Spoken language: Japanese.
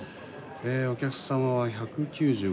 お客様は１９５。